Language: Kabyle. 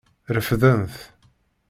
Refden-t.